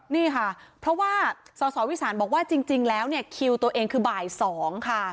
นี่ค่ะเพราะว่าสสวิสานบอกว่าจริงแล้วเนี่ยคิวตัวเองคือบ่าย๒ค่ะ